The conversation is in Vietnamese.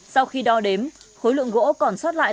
sau khi đo đếm khối lượng gỗ còn sót lại